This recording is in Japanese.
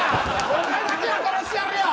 お前だけは殺してやるよ！